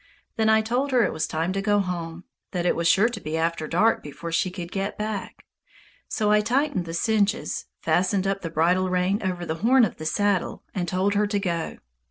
Then I told her it was time to go home, that it was sure to be after dark before she could get back. So I tightened the cinches, fastened up the bridle rein over the horn of the saddle, and told her to go.